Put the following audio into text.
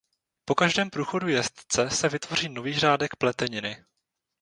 Po každém průchodu jezdce se vytvoří nový řádek pleteniny.